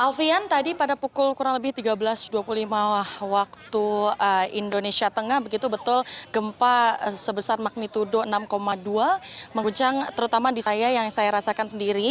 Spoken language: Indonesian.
alfian tadi pada pukul kurang lebih tiga belas dua puluh lima waktu indonesia tengah begitu betul gempa sebesar magnitudo enam dua mengguncang terutama di saya yang saya rasakan sendiri